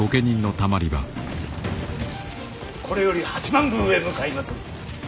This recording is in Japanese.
これより八幡宮へ向かいます。